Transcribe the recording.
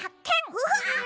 うわっ！